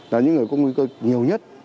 là những người có nguy cơ nhiều nhất